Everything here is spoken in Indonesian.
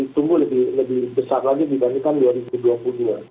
tumbuh lebih besar lagi dibandingkan dua ribu dua puluh dua